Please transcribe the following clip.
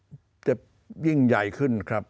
ความวิกฤตจะยิ่งใหญ่ขึ้นครับ